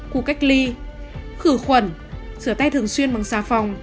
khu cách ly khử khuẩn sửa tay thường xuyên bằng xà phòng